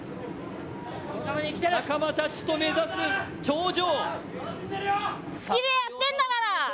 仲間たちと目指す頂上。